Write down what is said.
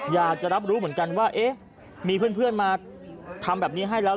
อยากจะรับรู้เหมือนกันว่าเอ๊ะมีเพื่อนมาทำแบบนี้ให้แล้ว